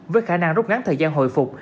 với khả năng rút ngắn thời gian hồi phục